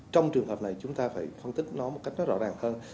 trong trường hợp này chúng ta phải phân tích nó một cách nó rõ ràng hơn